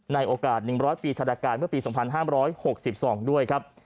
ในโอกาส๑๐๐ปีชาดาการเมื่อปี๒๕๖๒ด้วยครับ